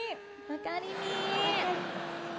分かりみ。